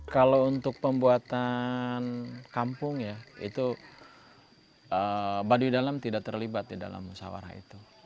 kalau untuk pembuatan kampung ya itu baduy dalam tidak terlibat di dalam musawarah itu